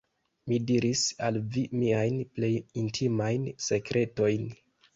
Mi diris al vi miajn plej intimajn sekretojn.